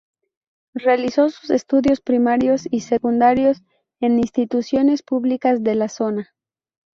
Realizó sus estudios primarios y secundarios en instituciones públicas de la zona.